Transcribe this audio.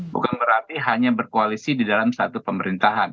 bukan berarti hanya berkoalisi di dalam satu pemerintahan